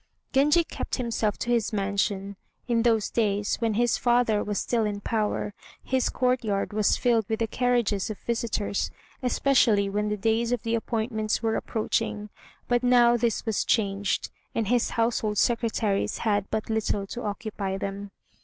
Genji kept himself to his mansion. In those days, when his father was still in power, his courtyard was filled with the carriages of visitors, especially when the days of the appointments were approaching; but now this was changed, and his household secretaries had but little to occupy them.